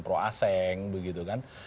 pro aseng begitu kan